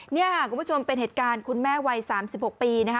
นี่ค่ะคุณผู้ชมเป็นเหตุการณ์คุณแม่วัย๓๖ปีนะคะ